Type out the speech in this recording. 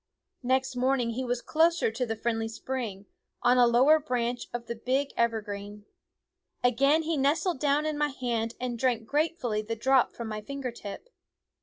Next morning he was closer to the friendly spring, on a lower branch of the big ever green. Again he nestled down in my hand and drank gratefully the drop from my finger tip.